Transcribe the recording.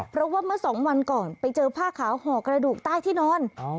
เพราะว่าเมื่อสองวันก่อนไปเจอผ้าขาวห่อกระดูกใต้ที่นอน